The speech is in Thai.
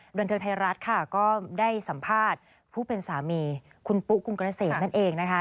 บันเทิงไทยรัฐค่ะก็ได้สัมภาษณ์ผู้เป็นสามีคุณปุ๊กุงเกษมนั่นเองนะคะ